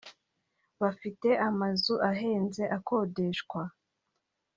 bafite amazu ahenze akodeshwa